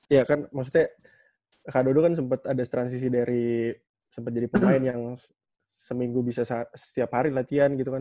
iya kan maksudnya kadodo kan sempat ada transisi dari sempat jadi pemain yang seminggu bisa setiap hari latihan gitu kan